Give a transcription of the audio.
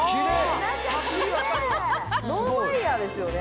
ノンワイヤーですよね？